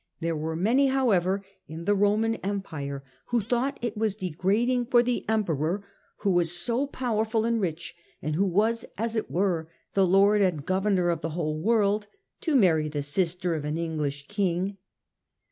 ... There were many, however, in the Roman Empire, who thought it was degrading for the Emperor, who was so powerful and rich and who was, as it were, the lord and governor of the whole world, to marry the sister of an English king."